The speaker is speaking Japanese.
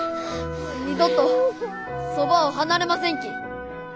二度とそばを離れませんき。